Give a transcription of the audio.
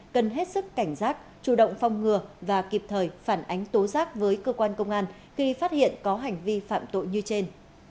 cần hết sức cảnh giác chủ động phong ngừa và kịp thời phản ánh tố giác với cơ quan công an khi phát hiện có hành vi phạm tội như trên